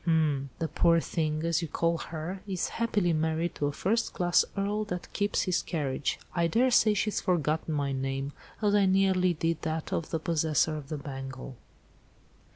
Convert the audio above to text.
"Hm! the poor thing, as you call her, is happily married 'to a first class Earl, that keeps his carriage.' I daresay she's forgotten my name, as I nearly did that of the possessor of the bangle."